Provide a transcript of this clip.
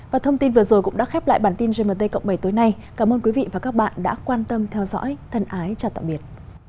và thông tin vừa rồi cũng đã khép lại bản tin gmt cộng bảy tối nay cảm ơn quý vị và các bạn đã quan tâm theo dõi thân ái chào tạm biệt